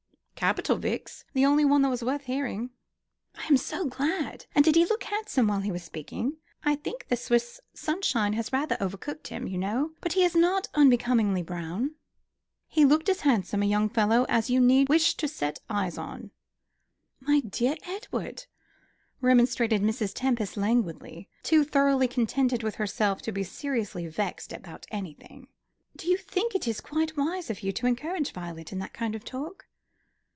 "Capital, Vix; the only one that was worth hearing!" "I am so glad! And did he look handsome while he was speaking? I think the Swiss sunshine has rather over cooked him, you know; but he is not unbecomingly brown." "He looked as handsome a young fellow as you need wish to set eyes on." "My dear Edward," remonstrated Mrs. Tempest, languidly, too thoroughly contented with herself to be seriously vexed about anything, "do you think it is quite wise of you to encourage Violet in that kind of talk?"